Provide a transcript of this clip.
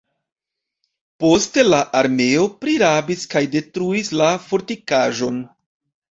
Poste la armeo prirabis kaj detruis la fortikaĵon.